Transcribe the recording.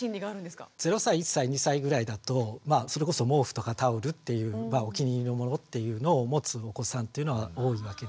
０歳１歳２歳ぐらいだとそれこそ毛布とかタオルっていうお気に入りのものっていうのを持つお子さんっていうのは多いわけですね。